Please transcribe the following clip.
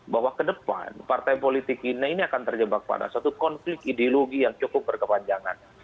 bahwa ke depan partai politik ini akan terjebak pada suatu konflik ideologi yang cukup berkepanjangan